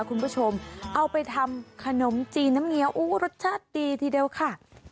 คุณผู้ชมเอาไปทำขนมจีนน้ำเงียวรสชาติดีทีเดียวค่ะ